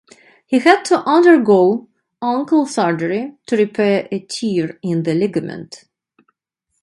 He had to undergo ankle surgery to repair a tear in the ligament.